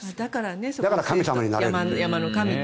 だから神様になれる。